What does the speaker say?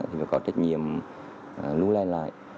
phải có trách nhiệm lưu lên lại